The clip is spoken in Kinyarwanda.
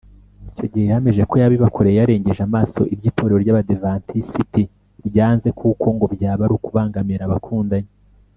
Icyo gihe yahamije ko yabibakoreye yarengeje amaso ibyo Itorero ry’Abadiventisiti ryanze kuko ngo byaba ari ukubangamira abakundanye